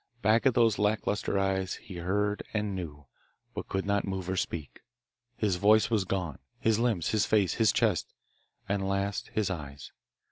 Back of those lack lustre eyes he heard and knew, but could not move or speak. His voice was gone, his limbs, his face, his chest, and, last, his eyes.